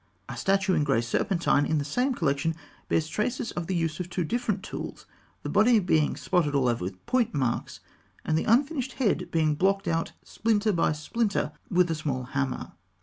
A statue in grey serpentine, in the same collection, bears traces of the use of two different tools, the body being spotted all over with point marks, and the unfinished head being blocked out splinter by splinter with a small hammer.